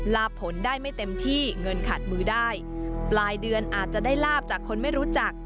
ลาบผลได้ไม่เต็มที่เงินขาดมือได้ปลายเดือนอาจจะได้ลาบจากคนไม่รู้จัก